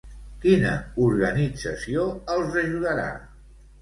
Quina organització els ajudarà?